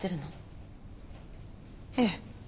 ええ。